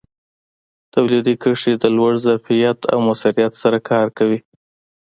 تولیدي کرښې د لوړ ظرفیت او موثریت سره کار کوي.